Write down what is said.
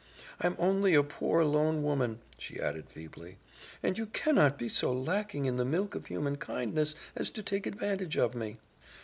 "I'm only a poor lone woman," she added feebly, "and you cannot be so lacking in the milk of human kindness as to take advantage of me."